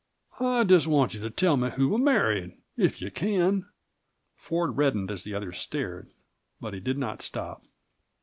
"I just want you to tell me who I married if you can." Ford reddened as the other stared, but he did not stop.